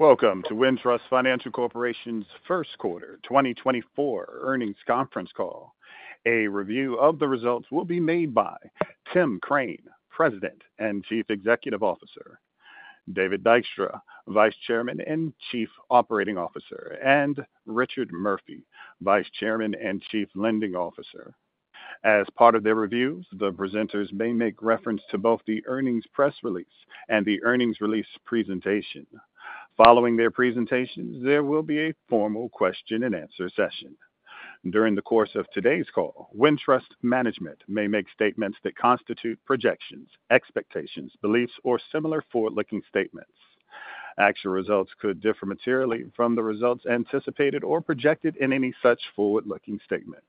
Welcome to Wintrust Financial Corporation's first quarter 2024 earnings conference Call. A review of the results will be made by Tim Crane, President and Chief Executive Officer, David Dykstra, Vice Chairman and Chief Operating Officer, and Richard Murphy, Vice Chairman and Chief Lending Officer. As part of their reviews, the presenters may make reference to both the earnings press release and the earnings release presentation. Following their presentations, there will be a formal question-and-answer session. During the course of today's call, Wintrust management may make statements that constitute projections, expectations, beliefs, or similar forward-looking statements. Actual results could differ materially from the results anticipated or projected in any such forward-looking statements.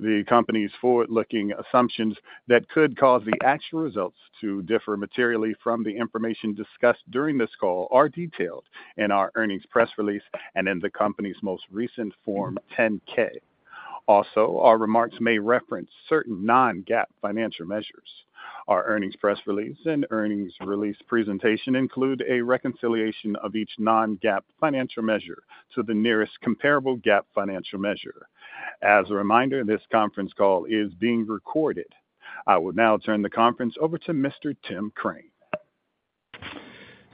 The company's forward-looking assumptions that could cause the actual results to differ materially from the information discussed during this call are detailed in our earnings press release and in the company's most recent Form 10-K. Also, our remarks may reference certain non-GAAP financial measures. Our earnings press release and earnings release presentation include a reconciliation of each non-GAAP financial measure to the nearest comparable GAAP financial measure. As a reminder, this conference call is being recorded. I will now turn the conference over to Mr. Tim Crane.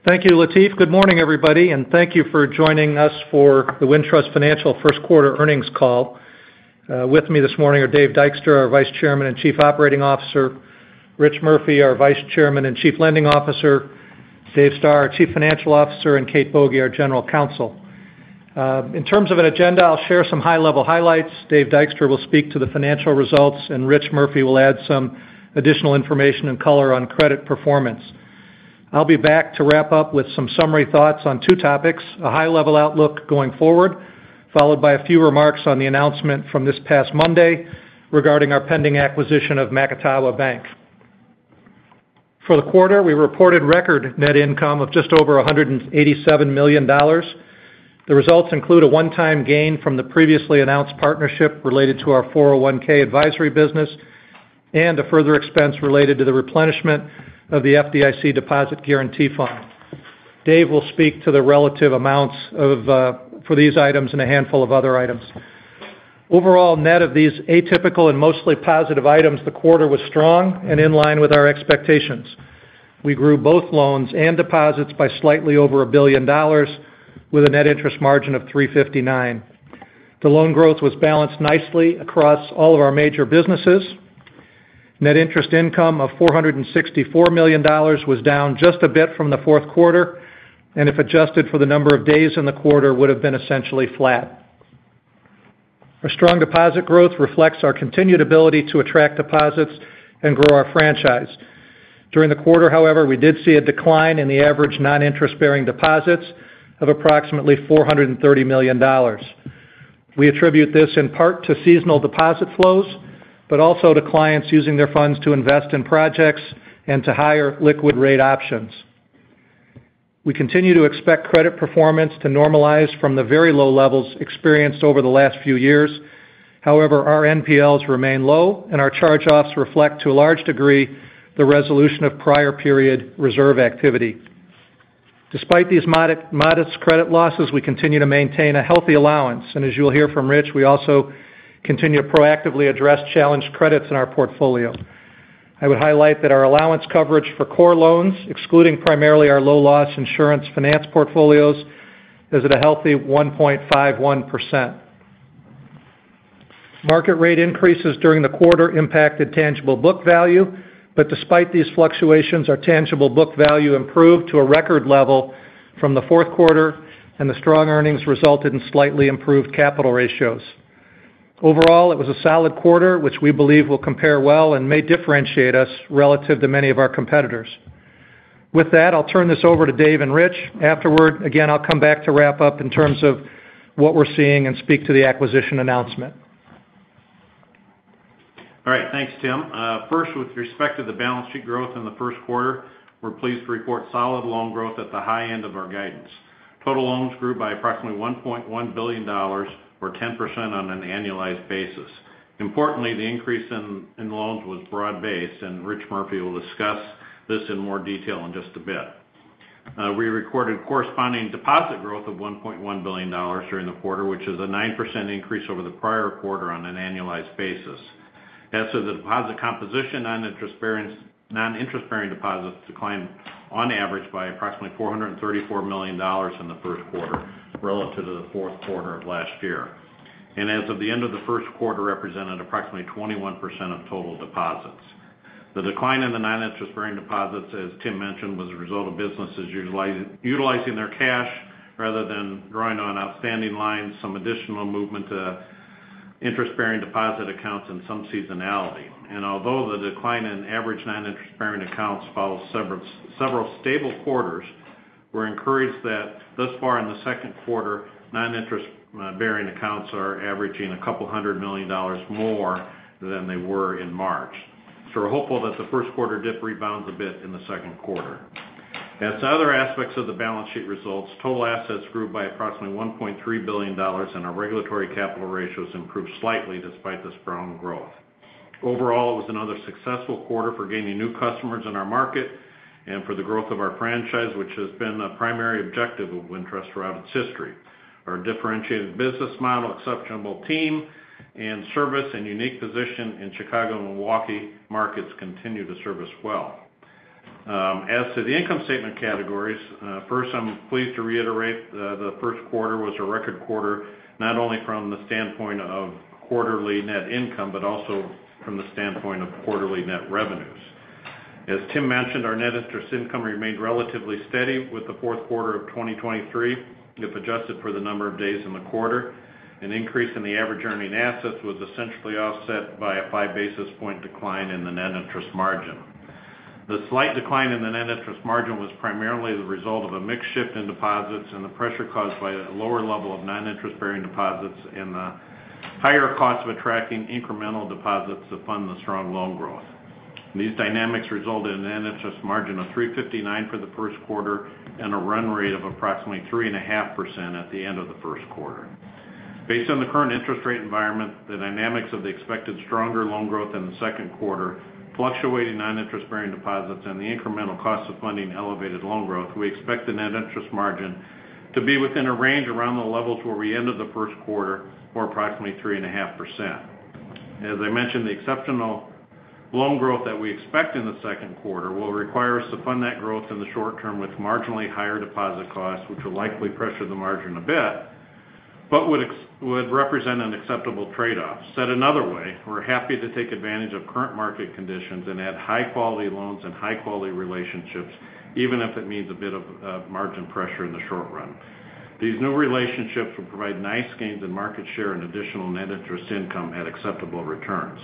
Thank you, Latif. Good morning, everybody, and thank you for joining us for the Wintrust Financial first quarter earnings call. With me this morning are Dave Dykstra, our Vice Chairman and Chief Operating Officer, Rich Murphy, our Vice Chairman and Chief Lending Officer, Dave Stoehr, our Chief Financial Officer, and Kathleen Boege, our General Counsel. In terms of an agenda, I'll share some high-level highlights. Dave Dykstra will speak to the financial results, and Rich Murphy will add some additional information and color on credit performance. I'll be back to wrap up with some summary thoughts on two topics: a high-level outlook going forward, followed by a few remarks on the announcement from this past Monday regarding our pending acquisition of Macatawa Bank. For the quarter, we reported record net income of just over $187 million. The results include a one-time gain from the previously announced partnership related to our 401(k) advisory business and a further expense related to the replenishment of the FDIC Deposit Guarantee Fund. Dave will speak to the relative amounts for these items and a handful of other items. Overall, net of these atypical and mostly positive items, the quarter was strong and in line with our expectations. We grew both loans and deposits by slightly over $1 billion, with a net interest margin of 3.59%. The loan growth was balanced nicely across all of our major businesses. Net interest income of $464 million was down just a bit from the fourth quarter, and if adjusted for the number of days in the quarter, would have been essentially flat. Our strong deposit growth reflects our continued ability to attract deposits and grow our franchise. During the quarter, however, we did see a decline in the average non-interest-bearing deposits of approximately $430 million. We attribute this in part to seasonal deposit flows, but also to clients using their funds to invest in projects and to higher liquid-rate options. We continue to expect credit performance to normalize from the very low levels experienced over the last few years. However, our NPLs remain low, and our charge-offs reflect, to a large degree, the resolution of prior-period reserve activity. Despite these modest credit losses, we continue to maintain a healthy allowance, and as you will hear from Rich, we also continue to proactively address challenged credits in our portfolio. I would highlight that our allowance coverage for core loans, excluding primarily our low-loss insurance finance portfolios, is at a healthy 1.51%. Market-rate increases during the quarter impacted tangible book value, but despite these fluctuations, our tangible book value improved to a record level from the fourth quarter, and the strong earnings resulted in slightly improved capital ratios. Overall, it was a solid quarter, which we believe will compare well and may differentiate us relative to many of our competitors. With that, I'll turn this over to Dave and Rich. Afterward, again, I'll come back to wrap up in terms of what we're seeing and speak to the acquisition announcement. All right. Thanks, Tim. First, with respect to the balance sheet growth in the first quarter, we're pleased to report solid loan growth at the high end of our guidance. Total loans grew by approximately $1.1 billion, or 10% on an annualized basis. Importantly, the increase in loans was broad-based, and Rich Murphy will discuss this in more detail in just a bit. We recorded corresponding deposit growth of $1.1 billion during the quarter, which is a 9% increase over the prior quarter on an annualized basis. As for the deposit composition, non-interest-bearing deposits declined on average by approximately $434 million in the first quarter relative to the fourth quarter of last year, and as of the end of the first quarter, represented approximately 21% of total deposits. The decline in the non-interest-bearing deposits, as Tim mentioned, was a result of businesses utilizing their cash rather than drawing on outstanding lines, some additional movement to interest-bearing deposit accounts, and some seasonality. Although the decline in average non-interest-bearing accounts follows several stable quarters, we're encouraged that thus far in the second quarter, non-interest-bearing accounts are averaging a couple hundred million dollars more than they were in March. We're hopeful that the first quarter dip rebounds a bit in the second quarter. As to other aspects of the balance sheet results, total assets grew by approximately $1.3 billion, and our regulatory capital ratios improved slightly despite this strong growth. Overall, it was another successful quarter for gaining new customers in our market and for the growth of our franchise, which has been a primary objective of Wintrust throughout its history. Our differentiated business model, exceptional team and service, and unique position in Chicago and Milwaukee markets continue to serve well. As to the income statement categories, first, I'm pleased to reiterate the first quarter was a record quarter, not only from the standpoint of quarterly net income but also from the standpoint of quarterly net revenues. As Tim mentioned, our net interest income remained relatively steady with the fourth quarter of 2023, if adjusted for the number of days in the quarter. An increase in the average earning assets was essentially offset by a 5 basis point decline in the net interest margin. The slight decline in the net interest margin was primarily the result of a mix shift in deposits and the pressure caused by a lower level of non-interest-bearing deposits and the higher cost of attracting incremental deposits to fund the strong loan growth. These dynamics resulted in a net interest margin of 3.59% for the first quarter and a run rate of approximately 3.5% at the end of the first quarter. Based on the current interest rate environment, the dynamics of the expected stronger loan growth in the second quarter, fluctuating non-interest-bearing deposits, and the incremental cost of funding elevated loan growth, we expect the net interest margin to be within a range around the levels where we ended the first quarter, or approximately 3.5%. As I mentioned, the exceptional loan growth that we expect in the second quarter will require us to fund that growth in the short term with marginally higher deposit costs, which will likely pressure the margin a bit but would represent an acceptable trade-off. Said another way, we're happy to take advantage of current market conditions and add high-quality loans and high-quality relationships, even if it means a bit of margin pressure in the short run. These new relationships will provide nice gains in market share and additional net interest income at acceptable returns.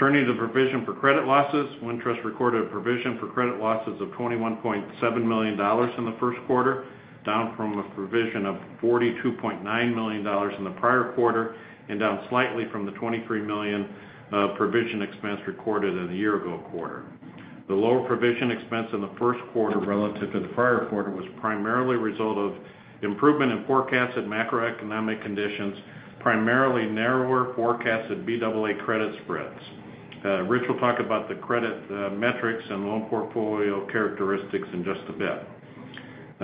Turning to the provision for credit losses, Wintrust recorded a provision for credit losses of $21.7 million in the first quarter, down from a provision of $42.9 million in the prior quarter and down slightly from the $23 million provision expense recorded in the year-ago quarter. The lower provision expense in the first quarter relative to the prior quarter was primarily a result of improvement in forecasted macroeconomic conditions, primarily narrower forecasted Baa credit spreads. Rich will talk about the credit metrics and loan portfolio characteristics in just a bit.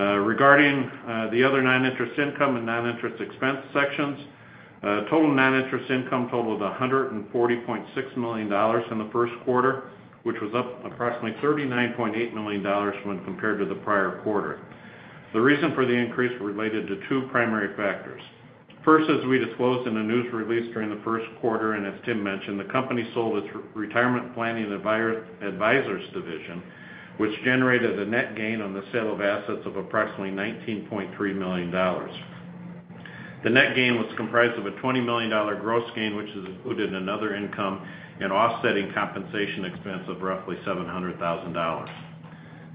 Regarding the other non-interest income and non-interest expense sections, total non-interest income totaled $140.6 million in the first quarter, which was up approximately $39.8 million when compared to the prior quarter. The reason for the increase was related to two primary factors. First, as we disclosed in a news release during the first quarter, and as Tim mentioned, the company sold its retirement planning advisors division, which generated a net gain on the sale of assets of approximately $19.3 million. The net gain was comprised of a $20 million gross gain, which is included in other income and offsetting compensation expense of roughly $700,000.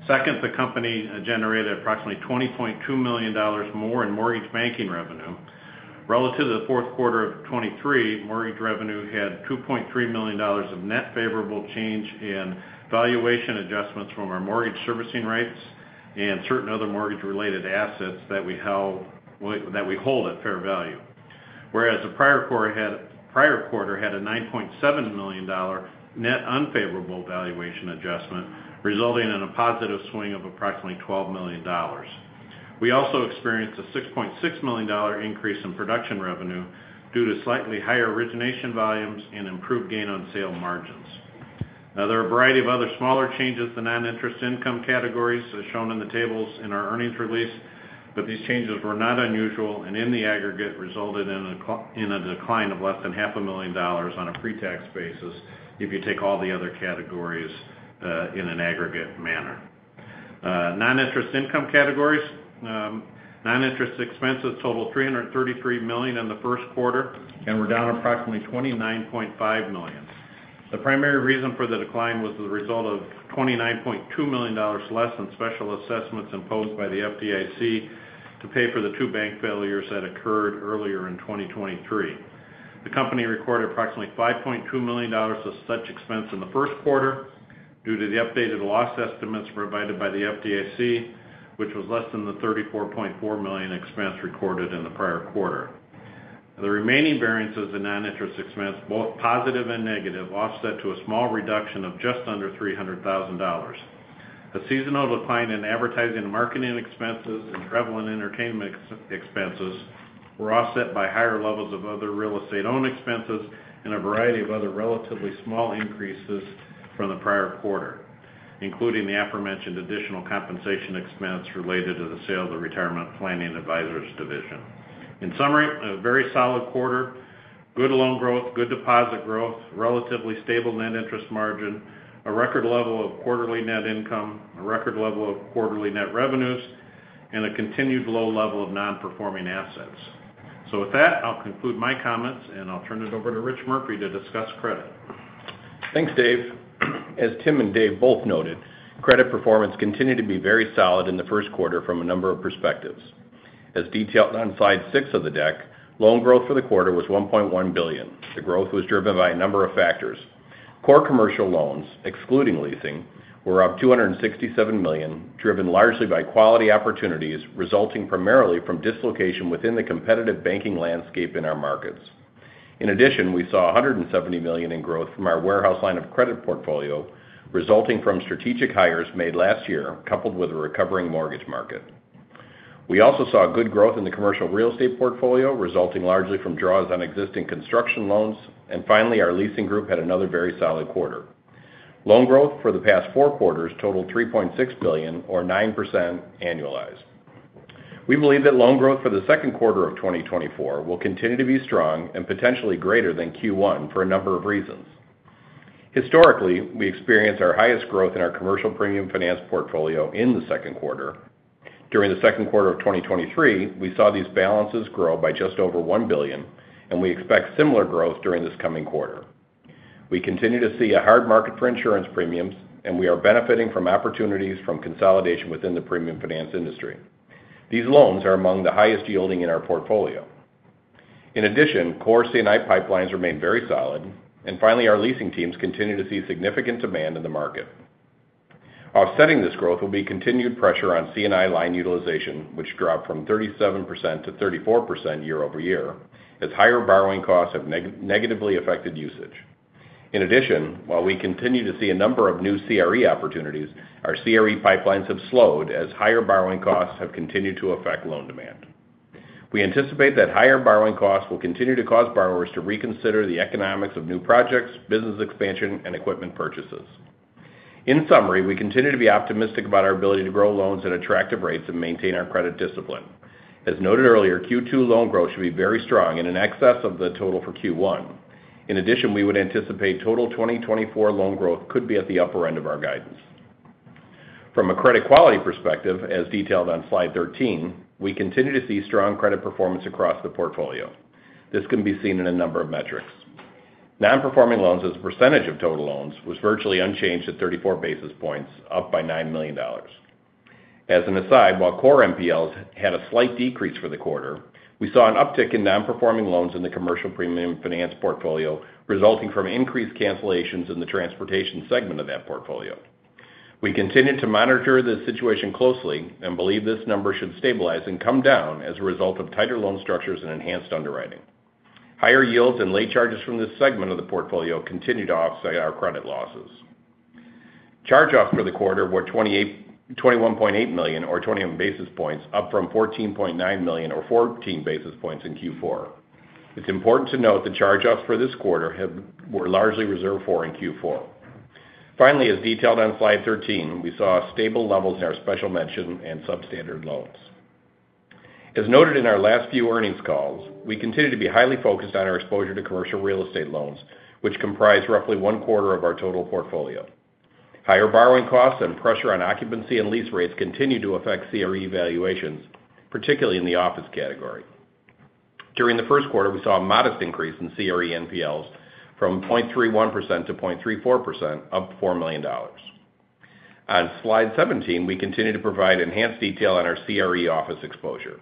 Second, the company generated approximately $20.2 million more in mortgage banking revenue. Relative to the fourth quarter of 2023, mortgage revenue had $2.3 million of net favorable change in valuation adjustments from our mortgage servicing rights and certain other mortgage-related assets that we hold at fair value. Whereas the prior quarter had a $9.7 million net unfavorable valuation adjustment, resulting in a positive swing of approximately $12 million. We also experienced a $6.6 million increase in production revenue due to slightly higher origination volumes and improved gain on sale margins. There are a variety of other smaller changes to non-interest income categories as shown in the tables in our earnings release, but these changes were not unusual and, in the aggregate, resulted in a decline of less than $500,000 on a pre-tax basis if you take all the other categories in an aggregate manner. Non-interest expense categories: non-interest expenses totaled $333 million in the first quarter and were down approximately $29.5 million. The primary reason for the decline was the result of $29.2 million less than special assessments imposed by the FDIC to pay for the two bank failures that occurred earlier in 2023. The company recorded approximately $5.2 million of such expense in the first quarter due to the updated loss estimates provided by the FDIC, which was less than the $34.4 million expense recorded in the prior quarter. The remaining variances of non-interest expense, both positive and negative, offset to a small reduction of just under $300,000. A seasonal decline in advertising and marketing expenses and travel and entertainment expenses were offset by higher levels of other real estate owned expenses and a variety of other relatively small increases from the prior quarter, including the aforementioned additional compensation expense related to the sale of the retirement planning advisors division. In summary, a very solid quarter, good loan growth, good deposit growth, relatively stable net interest margin, a record level of quarterly net income, a record level of quarterly net revenues, and a continued low level of non-performing assets. With that, I'll conclude my comments, and I'll turn it over to Rich Murphy to discuss credit. Thanks, Dave. As Tim and Dave both noted, credit performance continued to be very solid in the first quarter from a number of perspectives. As detailed on slide six of the deck, loan growth for the quarter was $1.1 billion. The growth was driven by a number of factors. Core commercial loans, excluding leasing, were up $267 million, driven largely by quality opportunities resulting primarily from dislocation within the competitive banking landscape in our markets. In addition, we saw $170 million in growth from our warehouse line of credit portfolio, resulting from strategic hires made last year coupled with a recovering mortgage market. We also saw good growth in the commercial real estate portfolio, resulting largely from draws on existing construction loans, and finally, our leasing group had another very solid quarter. Loan growth for the past four quarters totaled $3.6 billion, or 9% annualized. We believe that loan growth for the second quarter of 2024 will continue to be strong and potentially greater than Q1 for a number of reasons. Historically, we experienced our highest growth in our commercial premium finance portfolio in the second quarter. During the second quarter of 2023, we saw these balances grow by just over $1 billion, and we expect similar growth during this coming quarter. We continue to see a hard market for insurance premiums, and we are benefiting from opportunities from consolidation within the premium finance industry. These loans are among the highest yielding in our portfolio. In addition, core C&I pipelines remain very solid, and finally, our leasing teams continue to see significant demand in the market. Offsetting this growth will be continued pressure on C&I line utilization, which dropped from 37% to 34% year-over-year as higher borrowing costs have negatively affected usage. In addition, while we continue to see a number of new CRE opportunities, our CRE pipelines have slowed as higher borrowing costs have continued to affect loan demand. We anticipate that higher borrowing costs will continue to cause borrowers to reconsider the economics of new projects, business expansion, and equipment purchases. In summary, we continue to be optimistic about our ability to grow loans at attractive rates and maintain our credit discipline. As noted earlier, Q2 loan growth should be very strong in excess of the total for Q1. In addition, we would anticipate total 2024 loan growth could be at the upper end of our guidance. From a credit quality perspective, as detailed on slide 13, we continue to see strong credit performance across the portfolio. This can be seen in a number of metrics. Non-performing loans, as a percentage of total loans, were virtually unchanged at 34 basis points, up by $9 million. As an aside, while core NPLs had a slight decrease for the quarter, we saw an uptick in non-performing loans in the commercial premium finance portfolio, resulting from increased cancellations in the transportation segment of that portfolio. We continue to monitor this situation closely and believe this number should stabilize and come down as a result of tighter loan structures and enhanced underwriting. Higher yields and late charges from this segment of the portfolio continue to offset our credit losses. Charge-offs for the quarter were $21.8 million, or 21 basis points, up from $14.9 million, or 14 basis points, in Q4. It's important to note the charge-offs for this quarter were largely reserved for in Q4. Finally, as detailed on slide 13, we saw stable levels in our special mention and substandard loans. As noted in our last few earnings calls, we continue to be highly focused on our exposure to commercial real estate loans, which comprise roughly one quarter of our total portfolio. Higher borrowing costs and pressure on occupancy and lease rates continue to affect CRE valuations, particularly in the office category. During the first quarter, we saw a modest increase in CRE NPLs from 0.31% to 0.34%, up $4 million. On slide 17, we continue to provide enhanced detail on our CRE office exposure.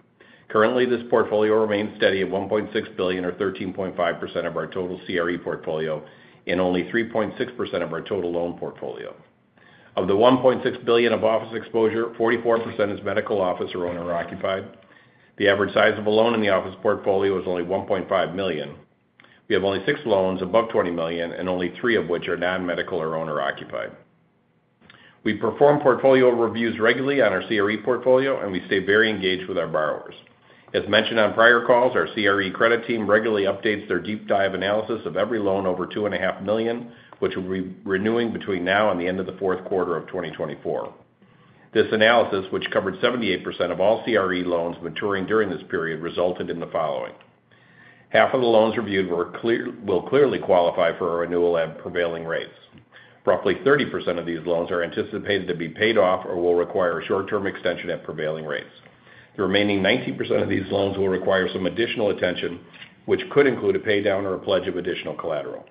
Currently, this portfolio remains steady at $1.6 billion, or 13.5% of our total CRE portfolio, in only 3.6% of our total loan portfolio. Of the $1.6 billion of office exposure, 44% is medical office or owner-occupied. The average size of a loan in the office portfolio is only $1.5 million. We have only six loans above $20 million, and only three of which are non-medical or owner-occupied. We perform portfolio reviews regularly on our CRE portfolio, and we stay very engaged with our borrowers. As mentioned on prior calls, our CRE credit team regularly updates their deep dive analysis of every loan over $2.5 million, which will be renewing between now and the end of the fourth quarter of 2024. This analysis, which covered 78% of all CRE loans maturing during this period, resulted in the following: 1/2 of the loans reviewed will clearly qualify for a renewal at prevailing rates. Roughly 30% of these loans are anticipated to be paid off or will require a short-term extension at prevailing rates. The remaining 90% of these loans will require some additional attention, which could include a paydown or a pledge of additional collateral.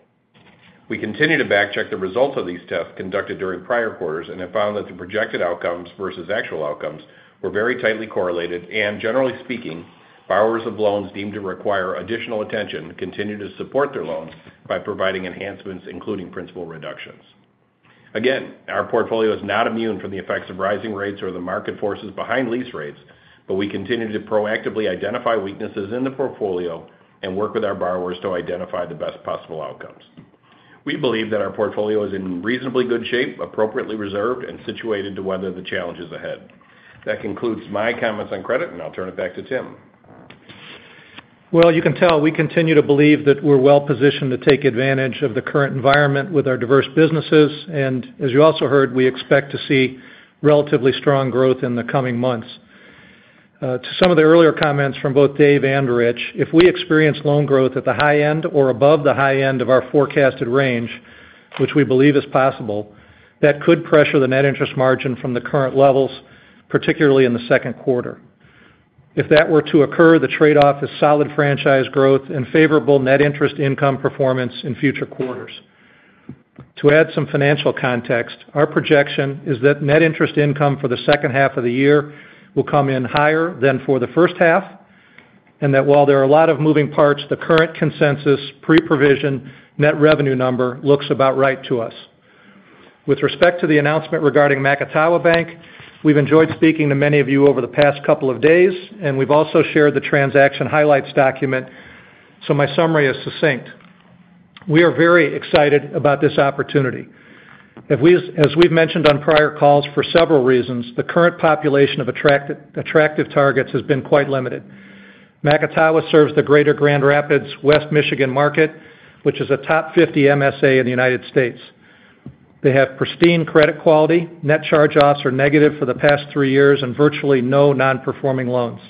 We continue to backtrack the results of these tests conducted during prior quarters and have found that the projected outcomes versus actual outcomes were very tightly correlated, and generally speaking, borrowers of loans deemed to require additional attention continue to support their loans by providing enhancements, including principal reductions. Again, our portfolio is not immune from the effects of rising rates or the market forces behind lease rates, but we continue to proactively identify weaknesses in the portfolio and work with our borrowers to identify the best possible outcomes. We believe that our portfolio is in reasonably good shape, appropriately reserved, and situated to weather the challenges ahead. That concludes my comments on credit, and I'll turn it back to Tim. Well, you can tell we continue to believe that we're well positioned to take advantage of the current environment with our diverse businesses, and as you also heard, we expect to see relatively strong growth in the coming months. To some of the earlier comments from both Dave and Rich, if we experience loan growth at the high end or above the high end of our forecasted range, which we believe is possible, that could pressure the net interest margin from the current levels, particularly in the second quarter. If that were to occur, the trade-off is solid franchise growth and favorable net interest income performance in future quarters. To add some financial context, our projection is that net interest income for the second half of the year will come in higher than for the first half and that while there are a lot of moving parts, the current consensus, pre-provision net revenue number looks about right to us. With respect to the announcement regarding Macatawa Bank, we've enjoyed speaking to many of you over the past couple of days, and we've also shared the transaction highlights document, so my summary is succinct. We are very excited about this opportunity. As we've mentioned on prior calls for several reasons, the current population of attractive targets has been quite limited. Macatawa serves the Greater Grand Rapids West Michigan market, which is a top 50 MSA in the United States. They have pristine credit quality. Net charge-offs are negative for the past three years and virtually no non-performing loans.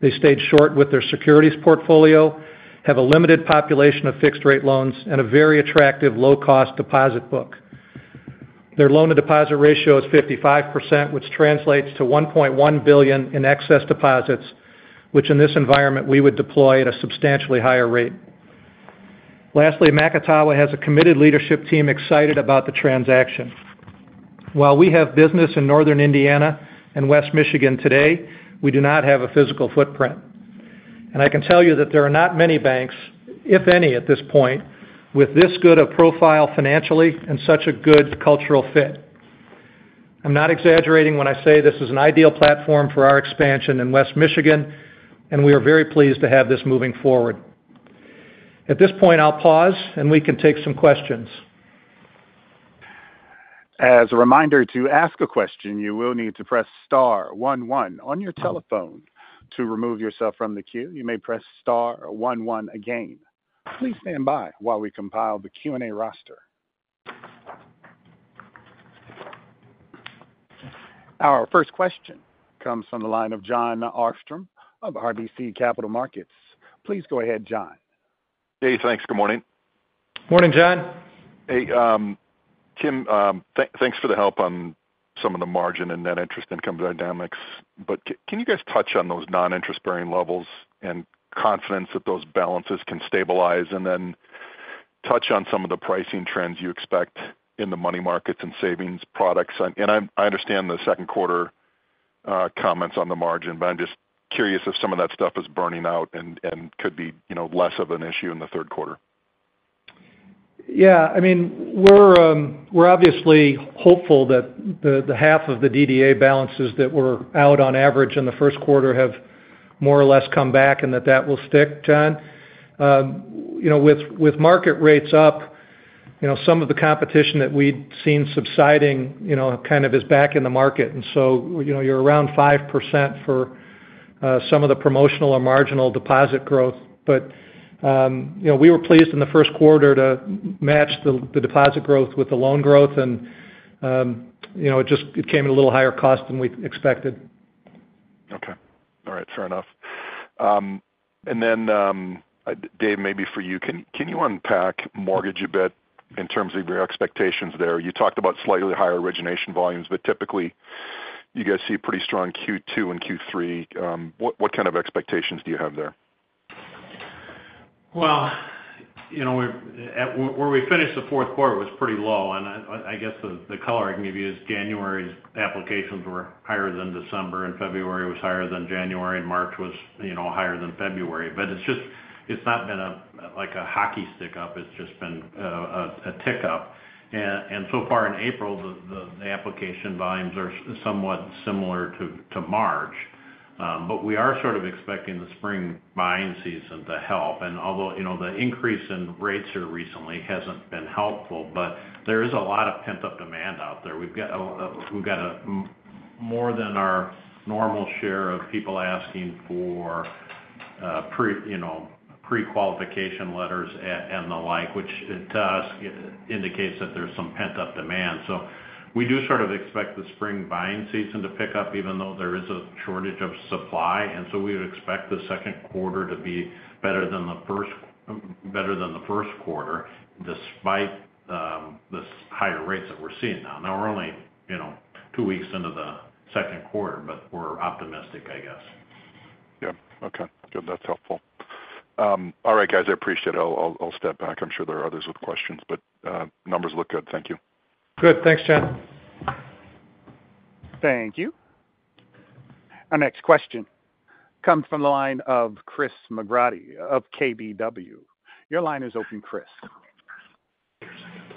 They stayed short with their securities portfolio, have a limited population of fixed-rate loans, and a very attractive low-cost deposit book. Their loan-to-deposit ratio is 55%, which translates to $1.1 billion in excess deposits, which in this environment we would deploy at a substantially higher rate. Lastly, Macatawa has a committed leadership team excited about the transaction. While we have business in Northern Indiana and West Michigan today, we do not have a physical footprint. And I can tell you that there are not many banks, if any at this point, with this good of profile financially and such a good cultural fit. I'm not exaggerating when I say this is an ideal platform for our expansion in West Michigan, and we are very pleased to have this moving forward. At this point, I'll pause, and we can take some questions. As a reminder to ask a question, you will need to press star one one on your telephone to remove yourself from the queue. You may press star one one again. Please stand by while we compile the Q&A roster. Our first question comes from the line of Jon Arfstrom of RBC Capital Markets. Please go ahead, Jon. Thanks. Good morning. Morning, Jon. Hey, Tim, thanks for the help on some of the margin and net interest income dynamics. Can you guys touch on those non-interest-bearing levels and confidence that those balances can stabilize and then touch on some of the pricing trends you expect in the money markets and savings products? I understand the second quarter comments on the margin, but I'm just curious if some of that stuff is burning out and could be less of an issue in the third quarter. Yeah. I mean, we're obviously hopeful that the 1/2 of the DDA balances that were out on average in the first quarter have more or less come back and that that will stick, Jon. With market rates up, some of the competition that we'd seen subsiding kind of is back in the market, and so you're around 5% for some of the promotional or marginal deposit growth. But we were pleased in the first quarter to match the deposit growth with the loan growth, and it came at a little higher cost than we expected. Okay. All right. Fair enough. And then, Dave, maybe for you, can you unpack mortgage a bit in terms of your expectations there? You talked about slightly higher origination volumes, but typically, you guys see pretty strong Q2 and Q3. What kind of expectations do you have there? Well, where we finished the fourth quarter was pretty low, and I guess the color I can give you is January's applications were higher than December, and February was higher than January, and March was higher than February. But it's not been a hockey stick up. It's just been a tick up. And so far in April, the application volumes are somewhat similar to March. But we are sort of expecting the spring buying season to help. And although the increase in rates here recently hasn't been helpful, but there is a lot of pent-up demand out there. We've got more than our normal share of people asking for pre-qualification letters and the like, which to us indicates that there's some pent-up demand. So we do sort of expect the spring buying season to pick up even though there is a shortage of supply, and so we would expect the second quarter to be better than the first quarter despite the higher rates that we're seeing now. Now, we're only two weeks into the second quarter, but we're optimistic, I guess. Yeah. Okay. Good. That's helpful. All right, guys. I appreciate it. I'll step back. I'm sure there are others with questions, but numbers look good. Thank you. Good. Thanks, John. Thank you. Our next question comes from the line of Chris McGratty of KBW. Your line is open, Chris.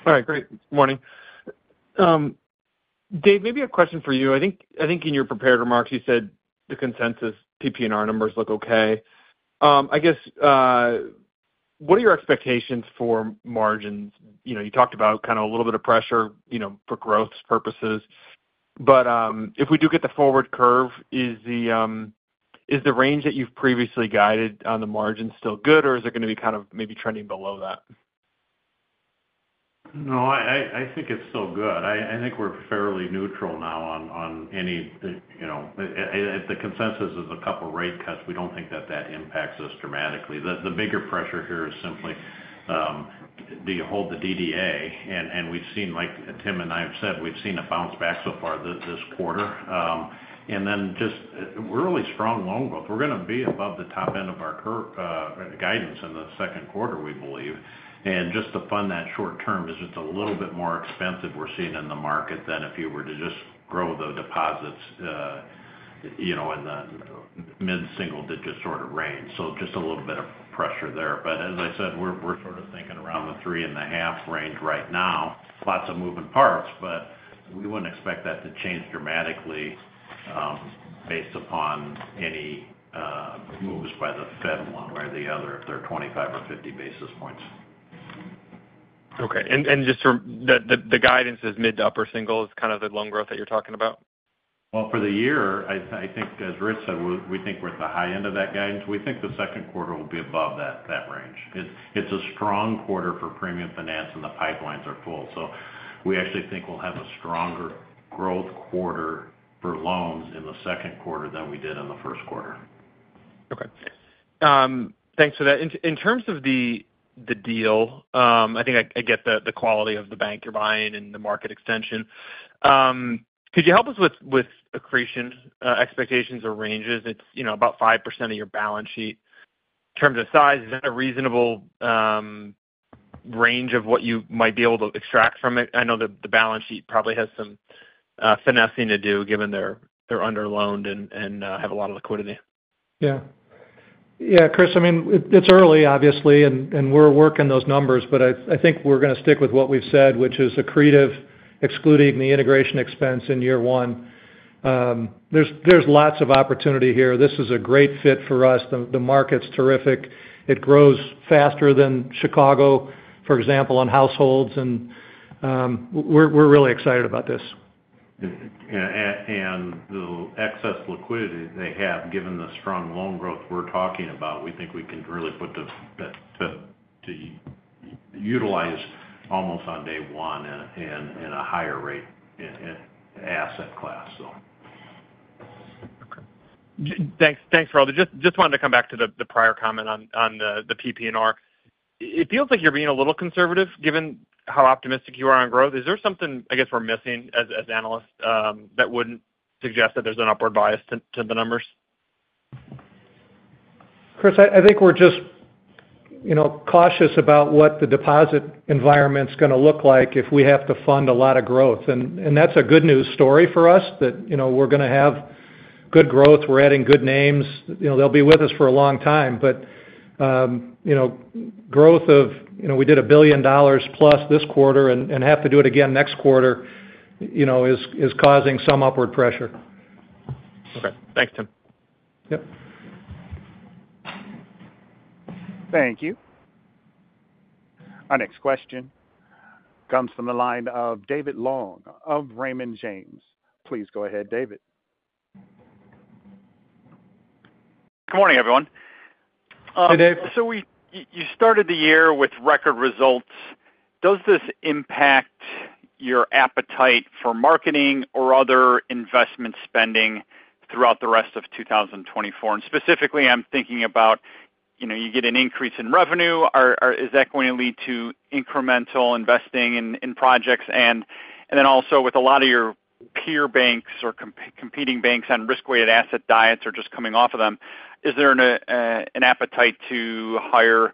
All right. Great. Good morning. Dave, maybe a question for you. I think in your prepared remarks, you said the consensus PPNR numbers look okay. I guess what are your expectations for margins? You talked about kind of a little bit of pressure for growth purposes. But if we do get the forward curve, is the range that you've previously guided on the margins still good, or is it going to be kind of maybe trending below that? No, I think it's still good. I think we're fairly neutral now on anything if the consensus is a couple of rate cuts; we don't think that that impacts us dramatically. The bigger pressure here is simply, do you hold the DDA? And Tim and I have said we've seen a bounce back so far this quarter. And then just, we're really strong loan growth. We're going to be above the top end of our guidance in the second quarter, we believe. And just to fund that short-term, it's just a little bit more expensive we're seeing in the market than if you were to just grow the deposits in the mid-single-digit sort of range. So just a little bit of pressure there. But as I said, we're sort of thinking around the 3.5 range right now, lots of moving parts, but we wouldn't expect that to change dramatically based upon any moves by the Fed one way or the other if they're 25 or 50 basis points. Okay. Just the guidance is mid to upper single is kind of the loan growth that you're talking about? Well, for the year, I think as Rich said, we think we're at the high end of that guidance. We think the second quarter will be above that range. It's a strong quarter for premium finance, and the pipelines are full. So we actually think we'll have a stronger growth quarter for loans in the second quarter than we did in the first quarter. Okay. Thanks for that. In terms of the deal, I think I get the quality of the bank you're buying and the market extension. Could you help us with accretion expectations or ranges? It's about 5% of your balance sheet. In terms of size, is that a reasonable range of what you might be able to extract from it? I know the balance sheet probably has some finessing to do given they're underloaned and have a lot of liquidity. Yeah. Yeah, Chris, I mean, it's early, obviously, and we're working those numbers, but I think we're going to stick with what we've said, which is accretive excluding the integration expense in year one. There's lots of opportunity here. This is a great fit for us. The market's terrific. It grows faster than Chicago, for example, on households, and we're really excited about this. The excess liquidity they have, given the strong loan growth we're talking about, we think we can really put to utilize almost on day one in a higher rate asset class, so. Okay. Thanks. Roger. Just wanted to come back to the prior comment on the PPNR. It feels like you're being a little conservative given how optimistic you are on growth. Is there something, I guess, we're missing as analysts that wouldn't suggest that there's an upward bias to the numbers? Chris, I think we're just cautious about what the deposit environment's going to look like if we have to fund a lot of growth. That's a good news story for us that we're going to have good growth. We're adding good names. They'll be with us for a long time. But growth if we did $1 billion+ this quarter and have to do it again next quarter is causing some upward pressure. Okay. Thanks, Tim. Yep. Thank you. Our next question comes from the line of David Long of Raymond James. Please go ahead, David. Good morning, everyone. Hey, Dave. You started the year with record results. Does this impact your appetite for marketing or other investment spending throughout the rest of 2024? And specifically, I'm thinking about you get an increase in revenue. Is that going to lead to incremental investing in projects? And then also, with a lot of your peer banks or competing banks on risk-weighted asset diets or just coming off of them, is there an appetite to hire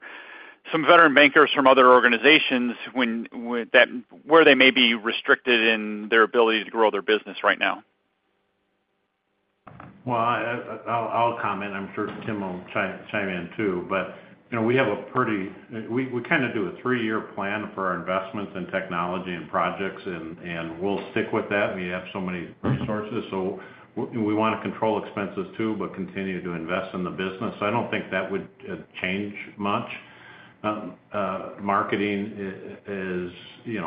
some veteran bankers from other organizations where they may be restricted in their ability to grow their business right now? Well, I'll comment. I'm sure Tim will chime in too. But we kind of do a three-year plan for our investments in technology and projects, and we'll stick with that. We have so many resources. So we want to control expenses too but continue to invest in the business. So I don't think that would change much. Marketing is we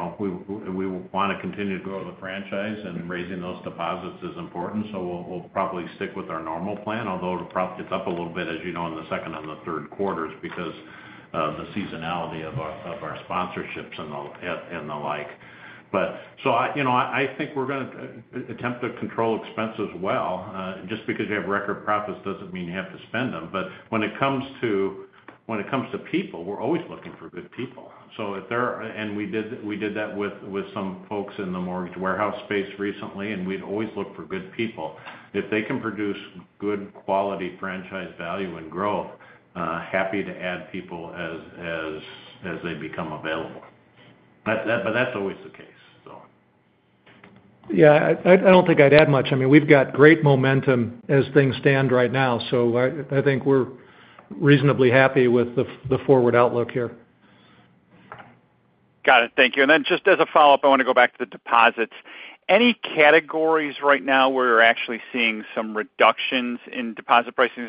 want to continue to grow the franchise, and raising those deposits is important. So we'll probably stick with our normal plan, although it'll probably get up a little bit, as you know, in the second and the third quarters because of the seasonality of our sponsorships and the like. So I think we're going to attempt to control expenses well. Just because you have record profits doesn't mean you have to spend them. But when it comes to people, we're always looking for good people. And we did that with some folks in the mortgage warehouse space recently, and we'd always look for good people. If they can produce good quality franchise value and growth, happy to add people as they become available. But that's always the case, so. Yeah. I don't think I'd add much. I mean, we've got great momentum as things stand right now, so I think we're reasonably happy with the forward outlook here. Got it. Thank you. And then just as a follow-up, I want to go back to the deposits. Any categories right now where you're actually seeing some reductions in deposit pricing?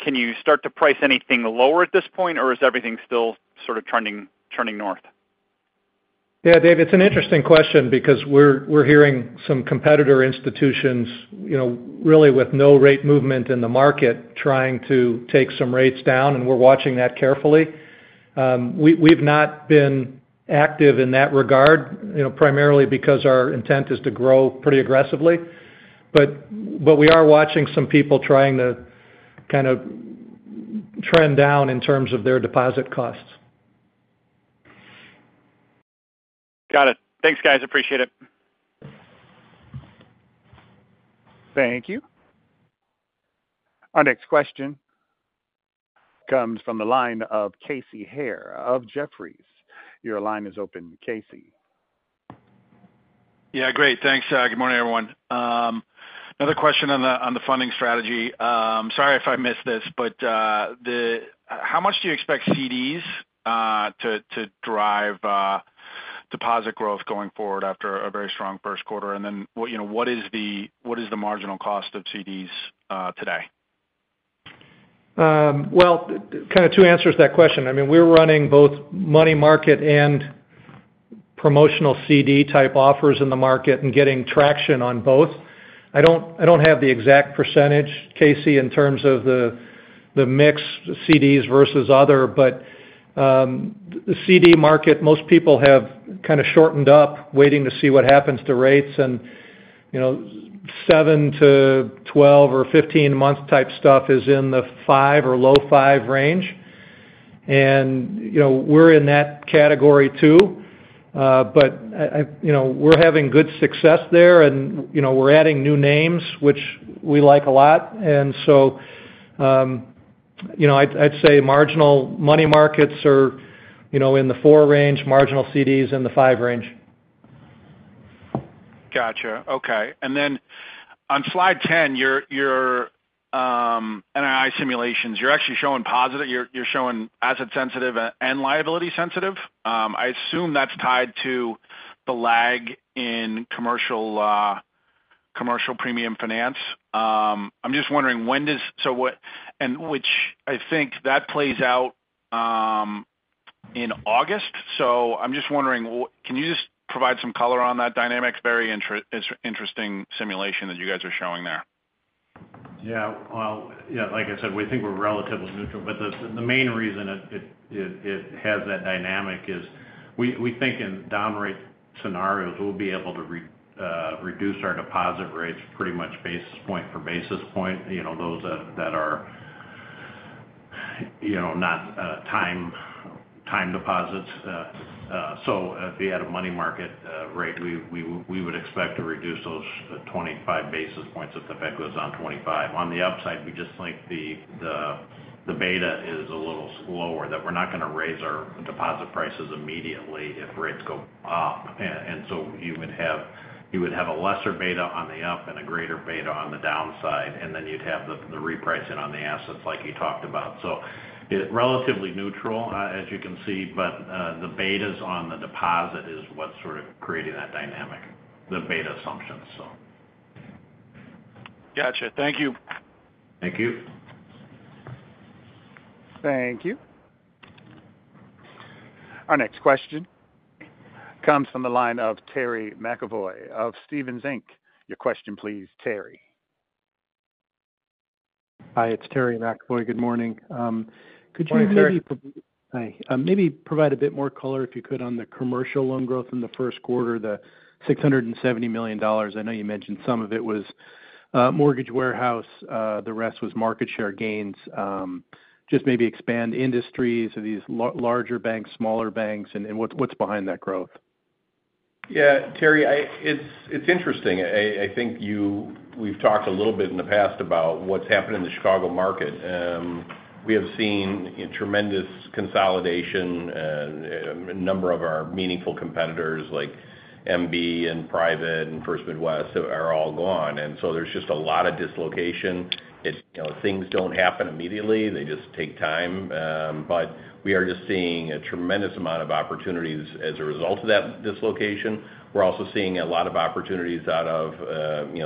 Can you start to price anything lower at this point, or is everything still sort of trending north? Yeah, Dave, it's an interesting question because we're hearing some competitor institutions, really with no rate movement in the market, trying to take some rates down, and we're watching that carefully. We've not been active in that regard, primarily because our intent is to grow pretty aggressively. But we are watching some people trying to kind of trend down in terms of their deposit costs. Got it. Thanks, guys. Appreciate it. Thank you. Our next question comes from the line of Casey Haire of Jefferies. Your line is open, Casey. Yeah. Great. Thanks. Good morning, everyone. Another question on the funding strategy. Sorry if I missed this, but how much do you expect CDs to drive deposit growth going forward after a very strong first quarter? And then what is the marginal cost of CDs today? Well, kind of two answers to that question. I mean, we're running both money market and promotional CD-type offers in the market and getting traction on both. I don't have the exact percentage, Casey, in terms of the mix CDs versus other, but the CD market, most people have kind of shortened up waiting to see what happens to rates, and seven months-12 months or 15 months type stuff is in the five or low five range. And we're in that category too. But we're having good success there, and we're adding new names, which we like a lot. And so I'd say marginal money markets are in the four range, marginal CDs in the five range. Gotcha. Okay. And then on slide 10, your NII simulations, you're actually showing positive. You're showing asset-sensitive and liability-sensitive. I assume that's tied to the lag in commercial premium finance. I'm just wondering, when does that play out, which I think is in August. So I'm just wondering, can you just provide some color on that dynamic? It's a very interesting simulation that you guys are showing there. Yeah. Well, yeah, like I said, we think we're relatively neutral. But the main reason it has that dynamic is we think in down-rate scenarios, we'll be able to reduce our deposit rates pretty much basis point for basis point, those that are not time deposits. So if we had a money market rate, we would expect to reduce those 25 basis points if the Fed goes down 25. On the upside, we just think the beta is a little slower, that we're not going to raise our deposit prices immediately if rates go up. And so you would have a lesser beta on the up and a greater beta on the downside, and then you'd have the repricing on the assets like you talked about. So relatively neutral, as you can see, but the betas on the deposit is what's sort of creating that dynamic, the beta assumptions, so. Gotcha. Thank you. Thank you. Thank you. Our next question comes from the line of Terry McEvoy of Stephens Inc. Your question, please, Terry. Hi. It's Terry McEvoy. Good morning. Could you maybe. Morning, Terry. Hi. Maybe provide a bit more color, if you could, on the commercial loan growth in the first quarter, the $670 million. I know you mentioned some of it was mortgage warehouse. The rest was market share gains. Just maybe expand industries, these larger banks, smaller banks, and what's behind that growth. Yeah, Terry, it's interesting. I think we've talked a little bit in the past about what's happened in the Chicago market. We have seen tremendous consolidation, and a number of our meaningful competitors like MB and Private and First Midwest are all gone. And so there's just a lot of dislocation. Things don't happen immediately. They just take time. But we are just seeing a tremendous amount of opportunities as a result of that dislocation. We're also seeing a lot of opportunities out of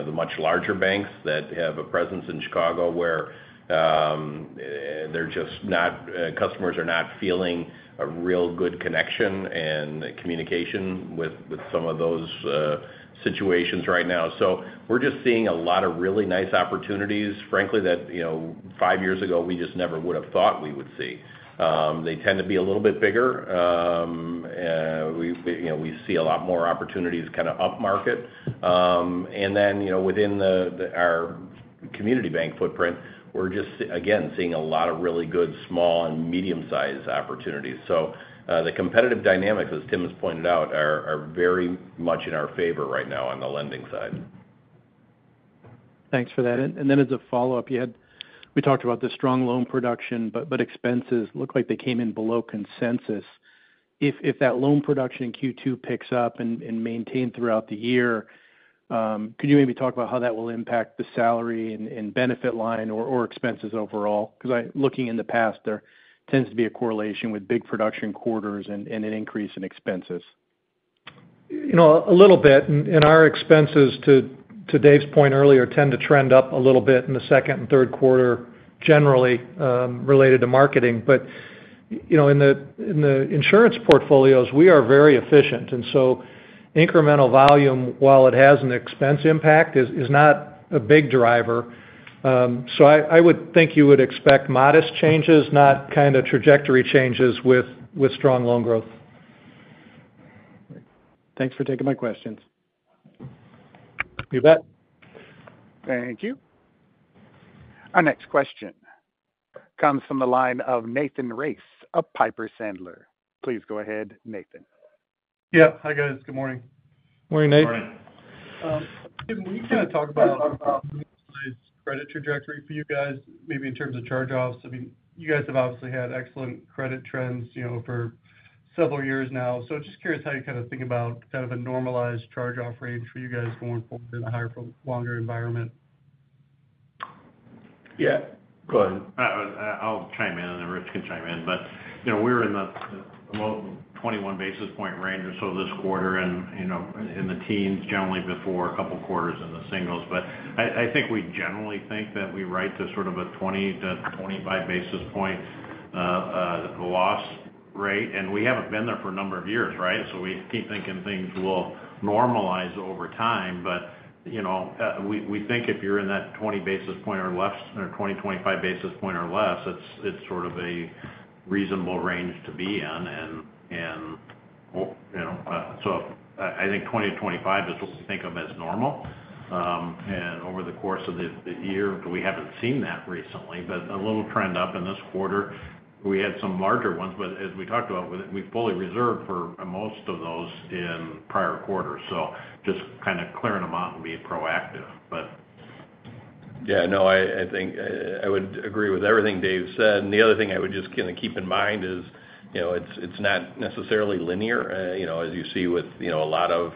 the much larger banks that have a presence in Chicago where they're just not. Customers are not feeling a real good connection and communication with some of those situations right now. So we're just seeing a lot of really nice opportunities, frankly, that five years ago, we just never would have thought we would see. They tend to be a little bit bigger. We see a lot more opportunities kind of upmarket. And then within our community bank footprint, we're just, again, seeing a lot of really good small and medium-sized opportunities. So the competitive dynamics, as Tim has pointed out, are very much in our favor right now on the lending side. Thanks for that. Then as a follow-up, we talked about the strong loan production, but expenses look like they came in below consensus. If that loan production in Q2 picks up and maintained throughout the year, could you maybe talk about how that will impact the salary and benefit line or expenses overall? Because looking in the past, there tends to be a correlation with big production quarters and an increase in expenses. A little bit. Our expenses, to Dave's point earlier, tend to trend up a little bit in the second and third quarter, generally, related to marketing. But in the insurance portfolios, we are very efficient. And so incremental volume, while it has an expense impact, is not a big driver. So I would think you would expect modest changes, not kind of trajectory changes with strong loan growth. Thanks for taking my questions. You bet. Thank you. Our next question comes from the line of Nathan Race of Piper Sandler. Please go ahead, Nathan. Yeah. Hi, guys. Good morning. Morning, Nathan. Tim, can we kind of talk about a normalized credit trajectory for you guys, maybe in terms of charge-offs? I mean, you guys have obviously had excellent credit trends for several years now. So just curious how you kind of think about kind of a normalized charge-off range for you guys going forward in a higher-for-longer environment? Yeah. Go ahead. I'll chime in, and Rich can chime in. But we're in the 21 basis point range or so this quarter and in the teens, generally, before a couple of quarters in the singles. But I think we generally think that we write to sort of a 20 basis points-25 basis point loss rate. And we haven't been there for a number of years, right? So we keep thinking things will normalize over time. But we think if you're in that 20 basis point or less or 20 basis points-25 basis point or less, it's sort of a reasonable range to be in. And so I think 20 basis points-25 basis point is what we think of as normal. And over the course of the year, we haven't seen that recently. But a little trend up in this quarter. We had some larger ones, but as we talked about, we fully reserved for most of those in prior quarters. So just kind of clearing them out and being proactive, but. Yeah. No, I think I would agree with everything Dave said. And the other thing I would just kind of keep in mind is it's not necessarily linear. As you see with a lot of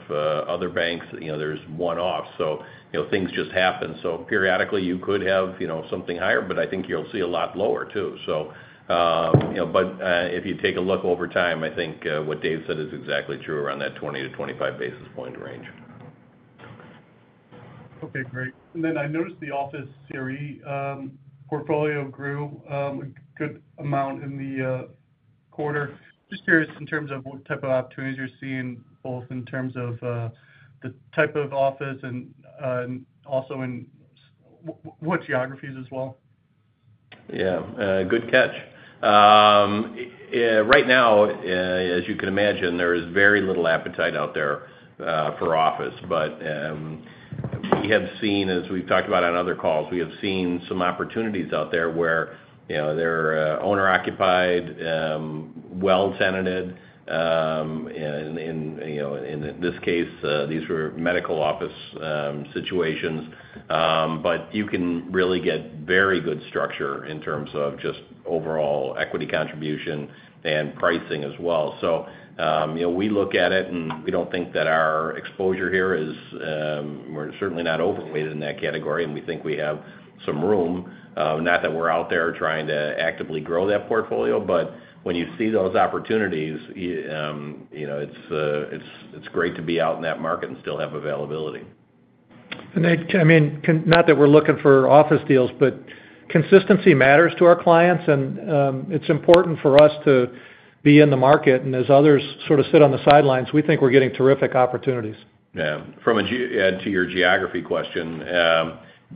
other banks, there's one-offs. So things just happen. So periodically, you could have something higher, but I think you'll see a lot lower too, so. But if you take a look over time, I think what Dave said is exactly true around that 20 basis points-25 basis point range. Okay. Great. And then I noticed the office CRE portfolio grew a good amount in the quarter. Just curious in terms of what type of opportunities you're seeing, both in terms of the type of office and also in what geographies as well. Yeah. Good catch. Right now, as you can imagine, there is very little appetite out there for office. But we have seen, as we've talked about on other calls, we have seen some opportunities out there where they're owner-occupied, well-sited. And in this case, these were medical office situations. But you can really get very good structure in terms of just overall equity contribution and pricing as well. So we look at it, and we don't think that our exposure here is. We're certainly not overweighted in that category, and we think we have some room. Not that we're out there trying to actively grow that portfolio, but when you see those opportunities, it's great to be out in that market and still have availability. I mean, not that we're looking for office deals, but consistency matters to our clients, and it's important for us to be in the market. As others sort of sit on the sidelines, we think we're getting terrific opportunities. Yeah. To your geography question,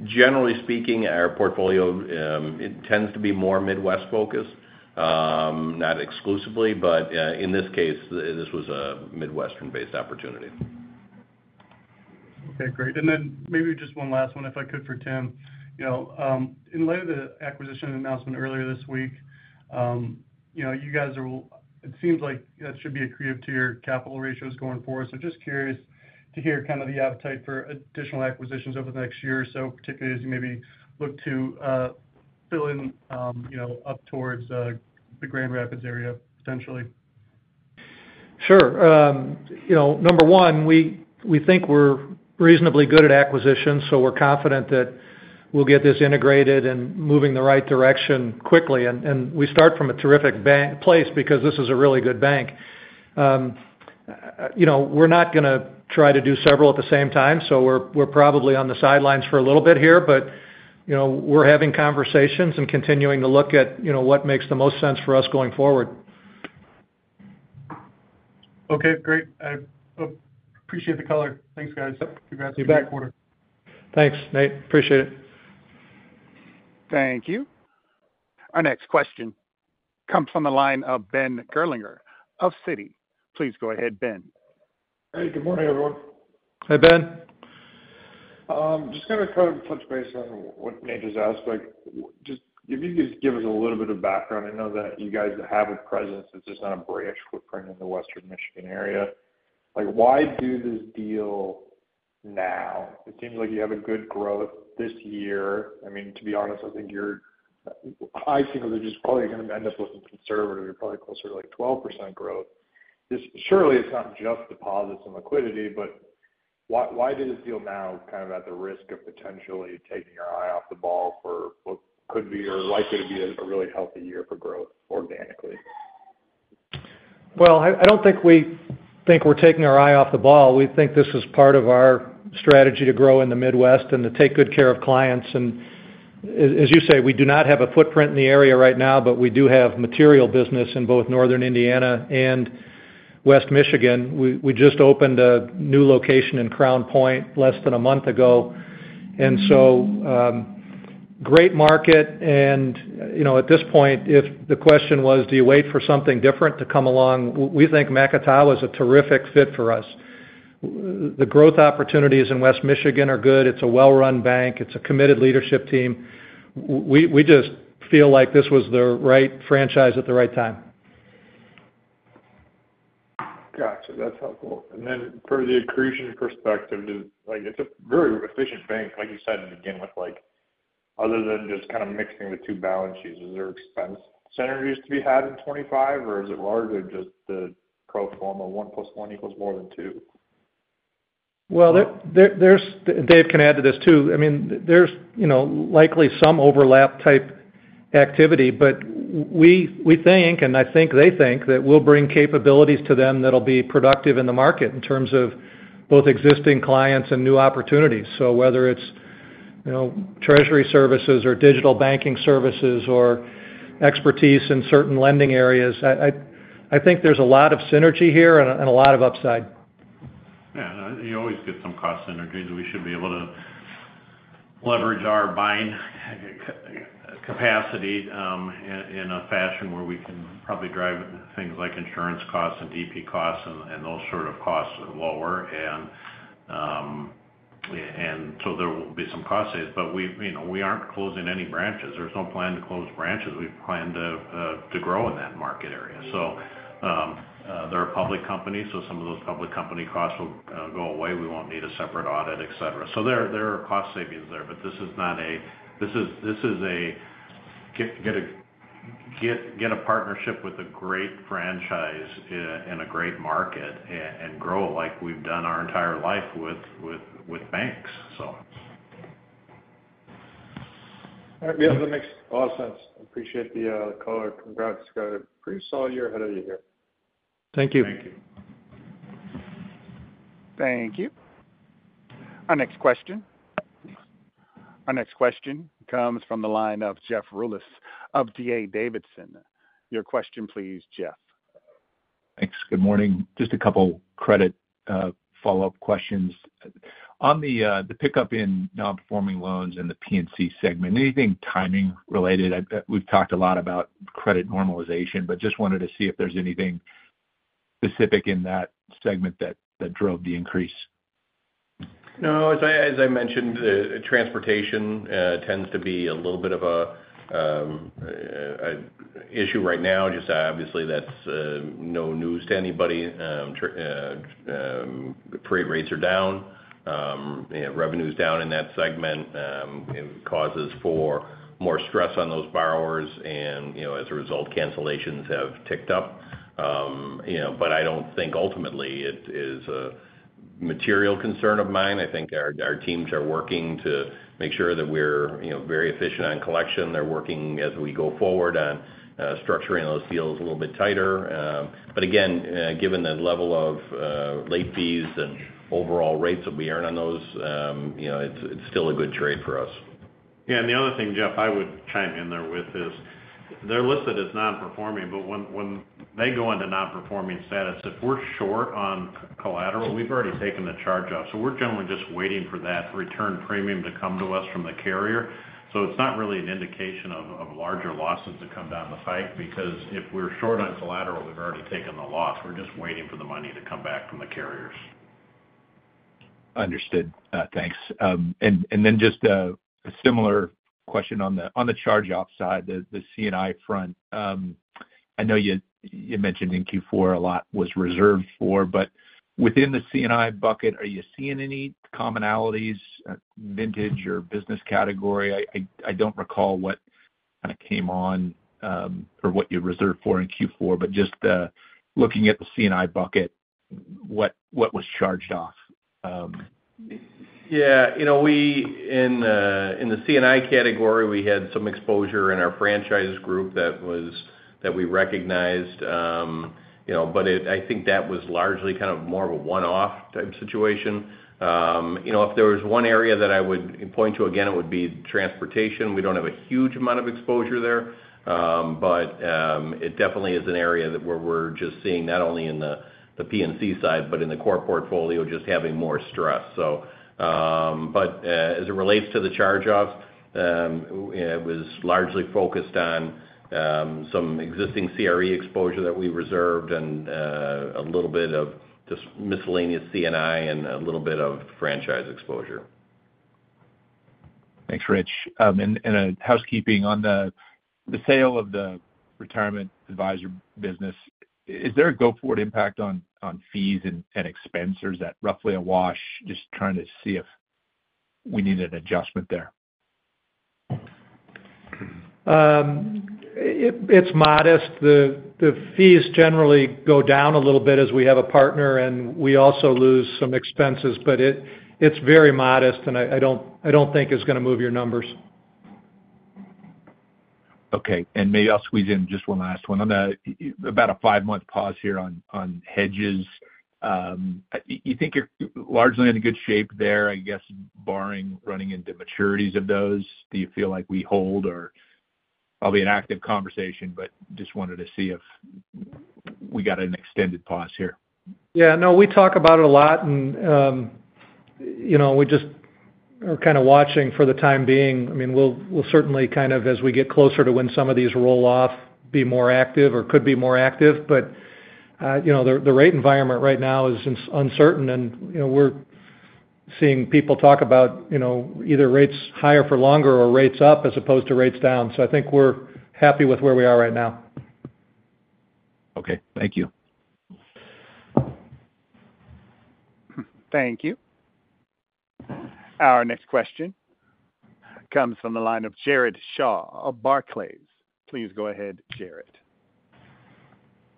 generally speaking, our portfolio, it tends to be more Midwest-focused, not exclusively, but in this case, this was a Midwestern-based opportunity. Okay. Great. And then maybe just one last one, if I could, for Tim. In light of the acquisition announcement earlier this week, you guys are, it seems like, that should be accretive to Tier 1 capital ratios going forward. So just curious to hear kind of the appetite for additional acquisitions over the next year, so particularly as you maybe look to fill in up towards the Grand Rapids area, potentially. Sure. Number one, we think we're reasonably good at acquisitions, so we're confident that we'll get this integrated and moving the right direction quickly. We start from a terrific place because this is a really good bank. We're not going to try to do several at the same time, so we're probably on the sidelines for a little bit here, but we're having conversations and continuing to look at what makes the most sense for us going forward. Okay. Great. I appreciate the color. Thanks, guys. Congrats on the next quarter. You bet. Thanks, Nate. Appreciate it. Thank you. Our next question comes from the line of Ben Gerlinger of Citi. Please go ahead, Ben. Hey. Good morning, everyone. Hi, Ben. Just kind of touch base on what major aspect. If you could just give us a little bit of background. I know that you guys have a presence. It's just not a branch footprint in the western Michigan area. Why do this deal now? It seems like you have a good growth this year. I mean, to be honest, I think that you're just probably going to end up looking conservative. You're probably closer to like 12% growth. Surely, it's not just deposits and liquidity, but why do this deal now kind of at the risk of potentially taking your eye off the ball for what could be or likely to be a really healthy year for growth organically? Well, I don't think we think we're taking our eye off the ball. We think this is part of our strategy to grow in the Midwest and to take good care of clients. And as you say, we do not have a footprint in the area right now, but we do have material business in both Northern Indiana and West Michigan. We just opened a new location in Crown Point less than a month ago. And so great market. And at this point, if the question was, "Do you wait for something different to come along?" we think Macatawa is a terrific fit for us. The growth opportunities in West Michigan are good. It's a well-run bank. It's a committed leadership team. We just feel like this was the right franchise at the right time. Gotcha. That's helpful. And then from the accretion perspective, it's a very efficient bank, like you said in the beginning, with other than just kind of mixing the two balance sheets, is there expense synergies to be had in 2025, or is it largely just the pro forma 1 + 1 => 2? Well, Dave can add to this too. I mean, there's likely some overlap-type activity, but we think, and I think they think, that we'll bring capabilities to them that'll be productive in the market in terms of both existing clients and new opportunities. So whether it's treasury services or digital banking services or expertise in certain lending areas, I think there's a lot of synergy here and a lot of upside. Yeah. You always get some cost synergies. We should be able to leverage our buying capacity in a fashion where we can probably drive things like insurance costs and DP costs and those sort of costs lower. And so there will be some cost savings. But we aren't closing any branches. There's no plan to close branches. We plan to grow in that market area. So they're a public company, so some of those public company costs will go away. We won't need a separate audit, etc. So there are cost savings there, but this is not a this is a get a partnership with a great franchise in a great market and grow it like we've done our entire life with banks, so. Yeah. That makes a lot of sense. Appreciate the color. Congrats, guys. I'm pretty solid year ahead of you here. Thank you. Thank you. Thank you. Our next question. Our next question comes from the line of Jeff Rulis of D.A. Davidson. Your question, please, Jeff. Thanks. Good morning. Just a couple of credit follow-up questions. On the pickup in non-performing loans and the P&C segment, anything timing-related? We've talked a lot about credit normalization, but just wanted to see if there's anything specific in that segment that drove the increase. No. As I mentioned, transportation tends to be a little bit of an issue right now. Just obviously, that's no news to anybody. Freight rates are down. Revenue is down in that segment. It causes more stress on those borrowers, and as a result, cancellations have ticked up. But I don't think ultimately it is a material concern of mine. I think our teams are working to make sure that we're very efficient on collection. They're working, as we go forward, on structuring those deals a little bit tighter. But again, given the level of late fees and overall rates that we earn on those, it's still a good trade for us. Yeah. And the other thing, Jeff, I would chime in there with is they're listed as non-performing, but when they go into non-performing status, if we're short on collateral, we've already taken the charge-off. So we're generally just waiting for that return premium to come to us from the carrier. So it's not really an indication of larger losses to come down the pike because if we're short on collateral, we've already taken the loss. We're just waiting for the money to come back from the carriers. Understood. Thanks. And then just a similar question on the charge-off side, the C&I front. I know you mentioned in Q4 a lot was reserved for, but within the C&I bucket, are you seeing any commonalities, vintage or business category? I don't recall what kind of came on or what you reserved for in Q4, but just looking at the C&I bucket, what was charged off? Yeah. In the C&I category, we had some exposure in our franchise group that we recognized, but I think that was largely kind of more of a one-off type situation. If there was one area that I would point to, again, it would be transportation. We don't have a huge amount of exposure there, but it definitely is an area where we're just seeing not only in the P&C side, but in the core portfolio, just having more stress, so. But as it relates to the charge-offs, it was largely focused on some existing CRE exposure that we reserved and a little bit of just miscellaneous C&I and a little bit of franchise exposure. Thanks, Rich. Housekeeping on the sale of the retirement advisor business, is there a go-forward impact on fees and expenses? Is that roughly a wash? Just trying to see if we need an adjustment there. It's modest. The fees generally go down a little bit as we have a partner, and we also lose some expenses, but it's very modest, and I don't think it's going to move your numbers. Okay. And maybe I'll squeeze in just one last one. I'm going to about a five-month pause here on hedges. You think you're largely in good shape there, I guess, barring running into maturities of those. Do you feel like we hold, or? It'll be an active conversation, but just wanted to see if we got an extended pause here. Yeah. No, we talk about it a lot, and we just are kind of watching for the time being. I mean, we'll certainly kind of, as we get closer to when some of these roll off, be more active or could be more active. But the rate environment right now is uncertain, and we're seeing people talk about either rates higher for longer or rates up as opposed to rates down. So I think we're happy with where we are right now. Okay. Thank you. Thank you. Our next question comes from the line of Jared Shaw of Barclays. Please go ahead, Jared.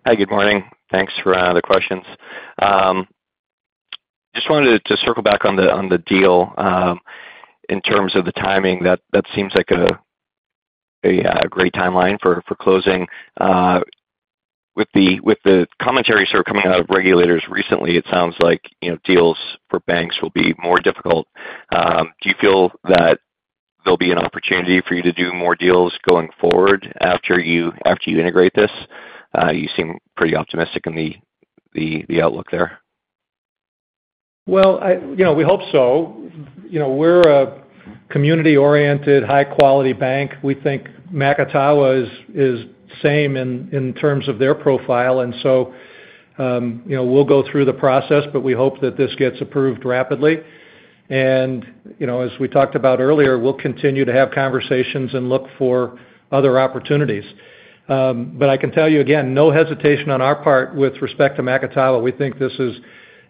Hi. Good morning. Thanks for the questions. I just wanted to circle back on the deal. In terms of the timing, that seems like a great timeline for closing. With the commentary sort of coming out of regulators recently, it sounds like deals for banks will be more difficult. Do you feel that there'll be an opportunity for you to do more deals going forward after you integrate this? You seem pretty optimistic in the outlook there. Well, we hope so. We're a community-oriented, high-quality bank. We think Macatawa is same in terms of their profile. And so we'll go through the process, but we hope that this gets approved rapidly. And as we talked about earlier, we'll continue to have conversations and look for other opportunities. But I can tell you, again, no hesitation on our part with respect to Macatawa. We think this is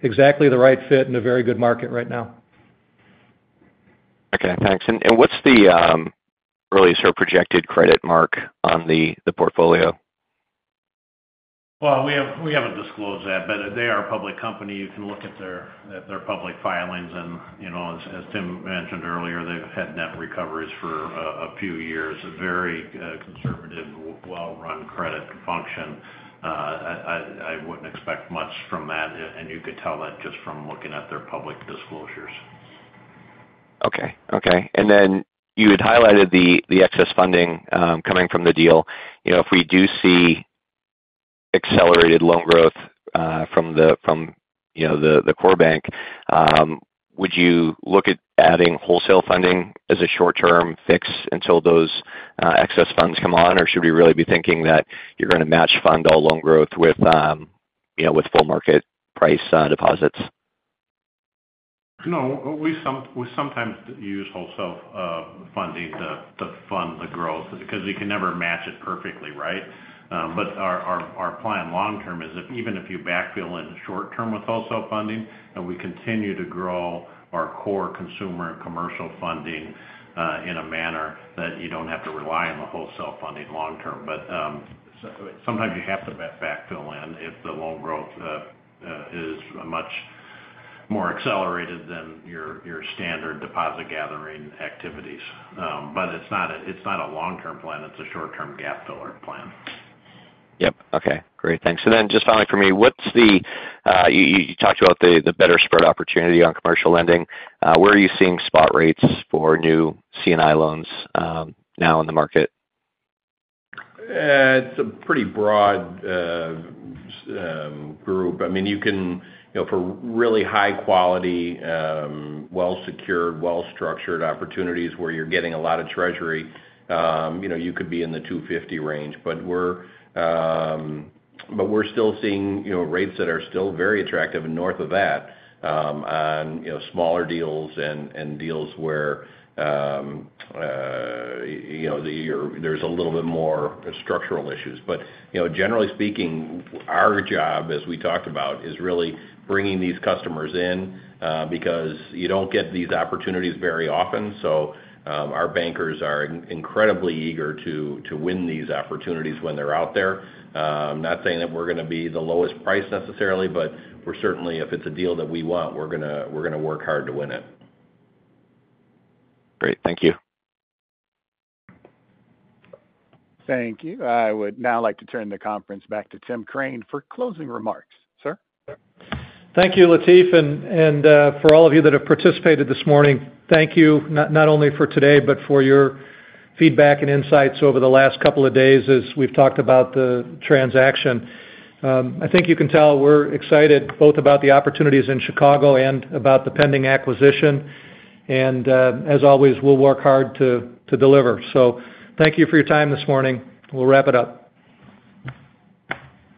exactly the right fit in a very good market right now. Okay. Thanks. What's the earliest or projected credit mark on the portfolio? Well, we haven't disclosed that, but they are a public company. You can look at their public filings. As Tim mentioned earlier, they've had net recoveries for a few years. Very conservative, well-run credit function. I wouldn't expect much from that, and you could tell that just from looking at their public disclosures. Okay. Okay. And then you had highlighted the excess funding coming from the deal. If we do see accelerated loan growth from the core bank, would you look at adding wholesale funding as a short-term fix until those excess funds come on, or should we really be thinking that you're going to match-fund all loan growth with full-market price deposits? No. We sometimes use wholesale funding to fund the growth because you can never match it perfectly, right? But our plan long-term is even if you backfill in short-term with wholesale funding, that we continue to grow our core consumer and commercial funding in a manner that you don't have to rely on the wholesale funding long-term. But sometimes you have to backfill in if the loan growth is much more accelerated than your standard deposit-gathering activities. But it's not a long-term plan. It's a short-term gap-filler plan. Yep. Okay. Great. Thanks. So then, just finally for me, what's the better spread opportunity you talked about on commercial lending? Where are you seeing spot rates for new C&I loans now in the market? It's a pretty broad group. I mean, you can find really high-quality, well-secured, well-structured opportunities where you're getting a lot of treasury, you could be in the 250 range. But we're still seeing rates that are still very attractive and north of that on smaller deals and deals where there's a little bit more structural issues. But generally speaking, our job, as we talked about, is really bringing these customers in because you don't get these opportunities very often. So our bankers are incredibly eager to win these opportunities when they're out there. I'm not saying that we're going to be the lowest price necessarily, but certainly, if it's a deal that we want, we're going to work hard to win it. Great. Thank you. Thank you. I would now like to turn the conference back to Tim Crane for closing remarks. Sir? Thank you, Latif. For all of you that have participated this morning, thank you not only for today but for your feedback and insights over the last couple of days as we've talked about the transaction. I think you can tell we're excited both about the opportunities in Chicago and about the pending acquisition. As always, we'll work hard to deliver. Thank you for your time this morning. We'll wrap it up.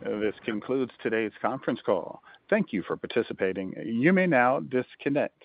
This concludes today's conference call. Thank you for participating. You may now disconnect.